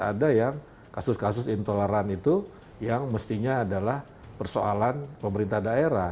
ada yang kasus kasus intoleran itu yang mestinya adalah persoalan pemerintah daerah